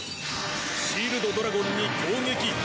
シールドドラゴンに攻撃！